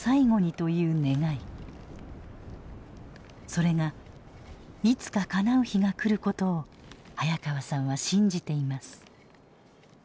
それがいつかかなう日が来ることを早川さんは信じています。